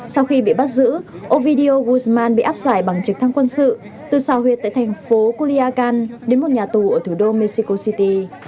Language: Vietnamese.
sau khi bị bắt giữ ovidio guzman bị áp giải bằng trực thăng quân sự từ xào huyệt tại thành phố coluyakan đến một nhà tù ở thủ đô mexico city